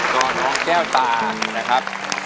ก็น้องแก้วตานะครับ